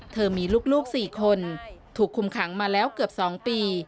เธอมีลูก๔คนถูกคุมขังมาแล้วเกือบ๒ปี